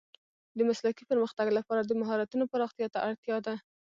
د مسلکي پرمختګ لپاره د مهارتونو پراختیا ته اړتیا ده.